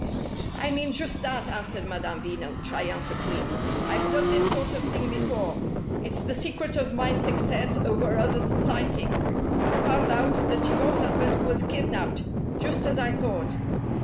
"I mean just that," answered Madame Veno, triumphantly. "I've done this sort of thing before. It's the secret of my success over other psychics. I've found out that your husband was kidnapped, just as I thought.